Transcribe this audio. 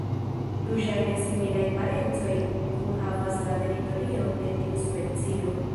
Du ŝajne similaj parencoj kunhavas la teritorion de tiu specio.